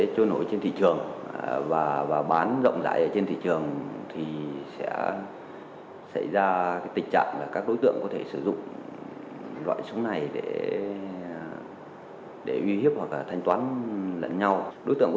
chuyến nạn nhân bị thương ở vùng mặt và giải quyết được tính tám bất cứ